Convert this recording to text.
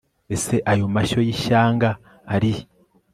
ese ayo mashyo y'ishyanga arihe